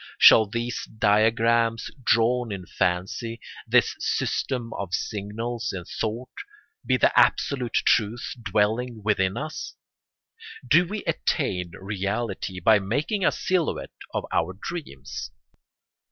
Shall these diagrams drawn in fancy, this system of signals in thought, be the Absolute Truth dwelling within us? Do we attain reality by making a silhouette of our dreams?